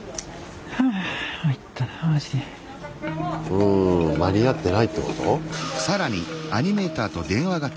うん間に合ってないってこと？